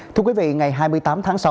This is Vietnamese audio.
thưa quý vị ngày hai mươi tám tháng sáu